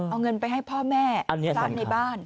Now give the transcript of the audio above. เอาเงินไปให้พ่อแม่พระในบ้าน